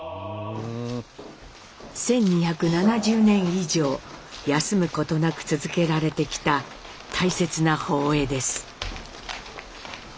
１，２７０年以上休むことなく続けられてきた大切な法会です。